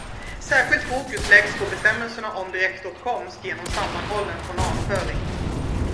Särskilt fokus läggs på bestämmelserna om direktåtkomst genom sammanhållen journalföring.